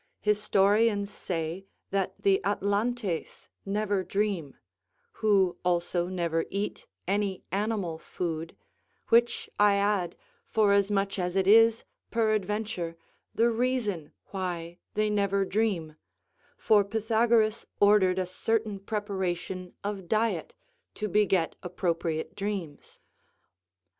Historians say that the Atlantes never dream; who also never eat any animal food, which I add, forasmuch as it is, peradventure, the reason why they never dream, for Pythagoras ordered a certain preparation of diet to beget appropriate dreams.